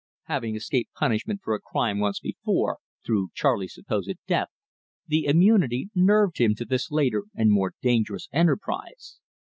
Having escaped punishment for a crime once before, through Charley's supposed death, the immunity nerved him to this later and more dangerous enterprise.